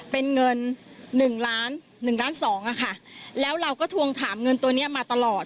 เป็นเงิน๑ล้าน๒อ่ะค่ะแล้วเราก็ทวงถามเงินตัวเนี่ยมาตลอด